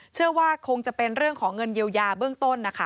เชื่อว่าคงจะเป็นเรื่องของเงินเยียวยาเบื้องต้นนะคะ